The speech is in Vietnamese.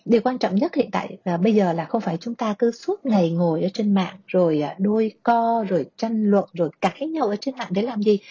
điều quan trọng nhất hiện tại bây giờ là không phải chúng ta cứ suốt ngày ngồi trên mạng rồi đôi co rồi tranh luận rồi cãi nhau trên mạng để làm gì